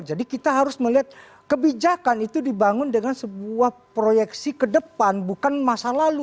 jadi kita harus melihat kebijakan itu dibangun dengan sebuah proyeksi ke depan bukan masa lalu